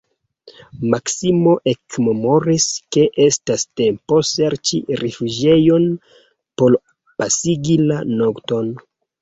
Maksimo ekmemoris, ke estas tempo serĉi rifuĝejon por pasigi la nokton.